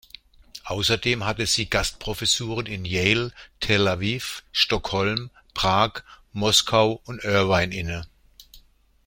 Außerdem hatte sie Gastprofessuren in Yale, Tel Aviv, Stockholm, Prag, Moskau und Irvine inne.